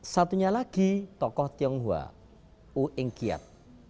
satunya lagi tokoh tionghoa ueng kiat